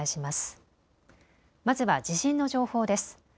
まずは地震の情報です。